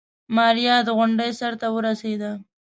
ماريا د غونډۍ سر ته ورسېده.